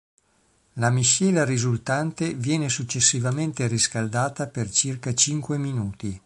La miscela risultante viene successivamente riscaldata per circa cinque minuti.